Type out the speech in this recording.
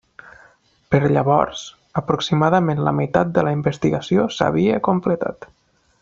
Per llavors, aproximadament la meitat de la investigació s'havia completat.